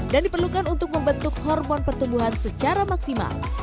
dan diperlukan untuk membentuk hormon pertumbuhan secara maksimal